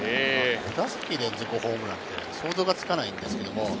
５打席連続ホームランって想像がつかないんですけれど。